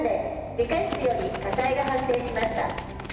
理科室より火災が発生しました。